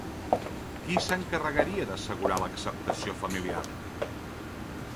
Qui s'encarregaria d'assegurar l'acceptació familiar?